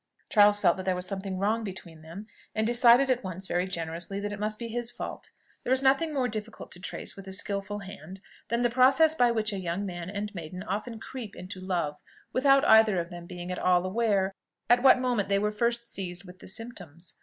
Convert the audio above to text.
Charles felt that there was something wrong between them, and decided at once very generously that it must be his fault. There is nothing more difficult to trace with a skilful hand than the process by which a young man and maiden often creep into love, without either of them being at all aware at what moment they were first seized with the symptoms.